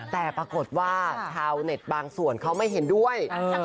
แต่ปรากฏว่าชาวเน็ตบางส่วนเขาไม่เห็นด้วย